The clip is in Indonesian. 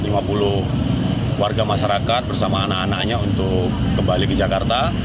ada tiga ratus lima puluh warga masyarakat bersama anak anaknya untuk kembali ke jakarta